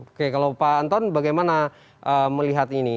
oke kalau pak anton bagaimana melihat ini